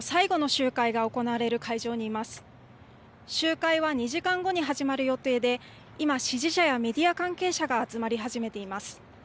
集会は２時間後に始まる予定で、今、支持者やメディア関係者が集まり始めています。